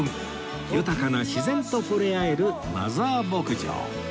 豊かな自然と触れ合えるマザー牧場